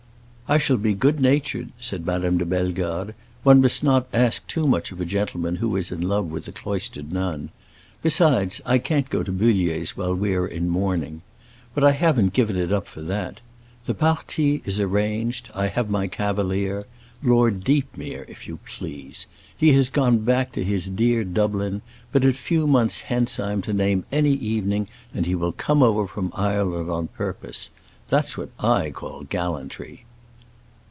"I shall be good natured," said Madame de Bellegarde. "One must not ask too much of a gentleman who is in love with a cloistered nun. Besides, I can't go to Bullier's while we are in mourning. But I haven't given it up for that. The partie is arranged; I have my cavalier. Lord Deepmere, if you please! He has gone back to his dear Dublin; but a few months hence I am to name any evening and he will come over from Ireland, on purpose. That's what I call gallantry!"